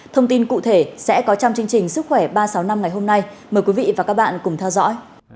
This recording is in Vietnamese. thông tin cụ thể sẽ có trong chương trình sức khỏe ba trăm sáu mươi năm ngày hôm nay mời quý vị và các bạn cùng theo dõi